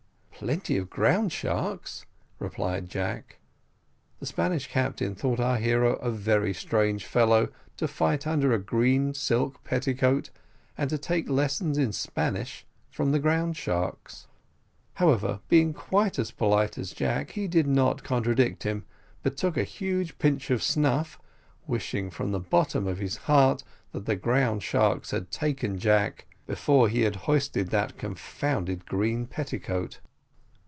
"Plenty of ground sharks," replied Jack. The Spanish captain thought our hero a very strange fellow, to fight under a green silk petticoat, and to take lessons in Spanish from the ground sharks. However, being quite as polite as Jack, he did not contradict him, but took a huge pinch of snuff, wishing from the bottom of his heart that the ground sharks had taken Jack before he had hoisted that confounded green petticoat.